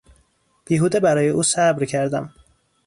بیهوده برای او صبر کردم.